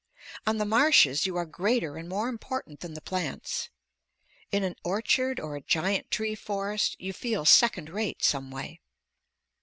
On the marshes you are greater and more important than the plants. In an orchard or a giant tree forest, you feel second rate someway.